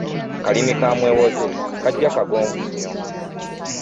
Kalimi ka mwewoze kajja kagonvu nnyo.